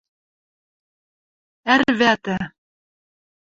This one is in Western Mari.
АРВӒТӸ